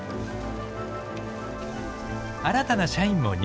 新たな社員も入社。